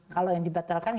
kalau yang dibatalkan